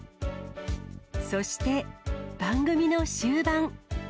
そして、番組の終盤。